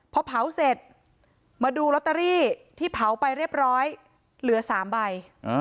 พอเผาเสร็จมาดูลอตเตอรี่ที่เผาไปเรียบร้อยเหลือ๓ใบ